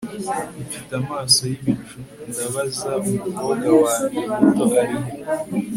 Mfite amaso yibicu ndabaza Umukobwa wanjye muto arihe